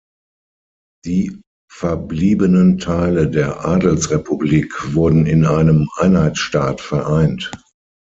Die verbliebenen Teile der Adelsrepublik wurden in einem Einheitsstaat vereint.